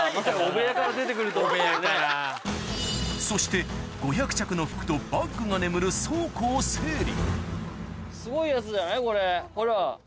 そして５００着の服とバッグが眠るほら。